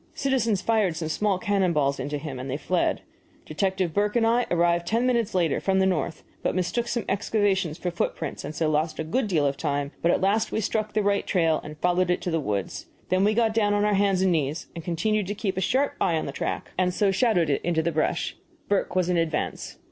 Citizens fired some small cannon balls into him, and then fled. Detective Burke and I arrived ten minutes later, from the north, but mistook some excavations for footprints, and so lost a good deal of time; but at last we struck the right trail and followed it to the woods. We then got down on our hands and knees and continued to keep a sharp eye on the track, and so shadowed it into the brush. Burke was in advance.